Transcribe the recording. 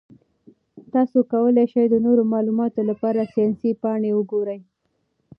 تاسو کولی شئ د نورو معلوماتو لپاره ساینسي پاڼې وګورئ.